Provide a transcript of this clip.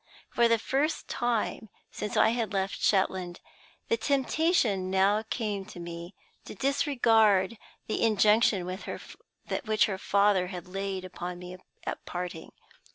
For the first time since I had left Shetland, the temptation now came to me to disregard the injunction which her father had laid on me at parting.